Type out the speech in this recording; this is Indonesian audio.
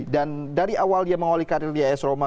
dan dari awal dia mengawali karir di as roma